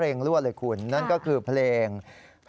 นายยกรัฐมนตรีพบกับทัพนักกีฬาที่กลับมาจากโอลิมปิก๒๐๑๖